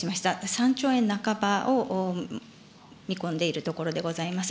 ３兆円半ばを見込んでいるところでございます。